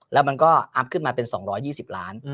แล้วมันก็อัพขึ้นมาเป็น๒๒๐ล้าน